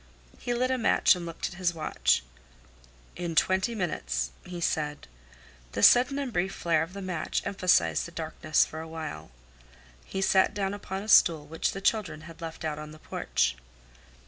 He lit a match and looked at his watch. "In twenty minutes," he said. The sudden and brief flare of the match emphasized the darkness for a while. He sat down upon a stool which the children had left out on the porch.